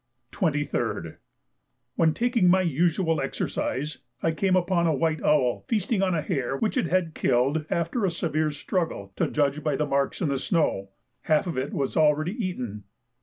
23rd. When taking my usual exercise, I came upon a white owl feasting on a hare which it had killed after a severe struggle, to judge by the marks on the snow. Half of it was already eaten.